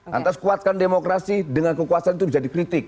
lantas kuatkan demokrasi dengan kekuasaan itu jadi kritik